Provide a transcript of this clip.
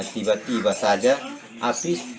tiba tiba ada api